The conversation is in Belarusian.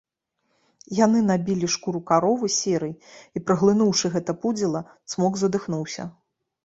Яны набілі шкуру каровы серай, і, праглынуўшы гэта пудзіла, цмок задыхнуўся.